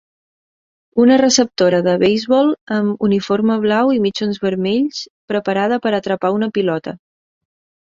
Una receptora de beisbol amb uniforme blau i mitjons vermells, preparada per atrapar una pilota.